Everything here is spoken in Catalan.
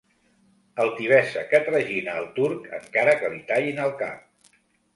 Altivesa que tragina el turc encara que li tallin el cap.